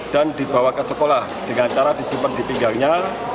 dan dibawa ke sekolah dengan cara disimpan di pinggangnya